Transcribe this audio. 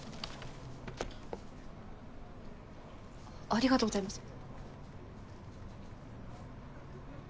ありがとうございます。